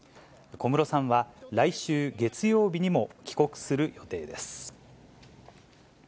小室さんは来週月曜日にも帰国する予定です。